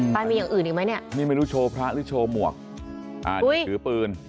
มันมีอย่างอื่นอีกไหมเนี่ยนี่ไม่รู้โชว์พระหรือโชว์หมวกนี่ถือปืน